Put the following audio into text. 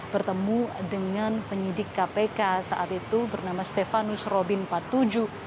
bertemu dengan penyidik kpk saat itu bernama stefanus robin patuju